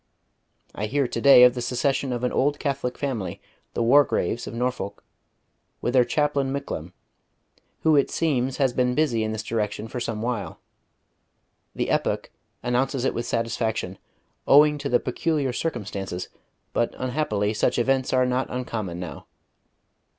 I hear to day of the secession of an old Catholic family, the Wargraves of Norfolk, with their chaplain Micklem, who it seems has been busy in this direction for some while. The Epoch announces it with satisfaction, owing to the peculiar circumstances; but unhappily such events are not uncommon now....